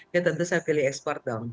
ya tentu saya pilih ekspor dong